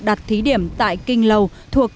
đặt thí điểm tại kinh lầu thuộc